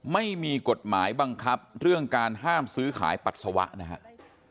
ไม่มีกฎหมายบังคับเรื่องการห้ามซื้อขายปัสสาวะนะครับ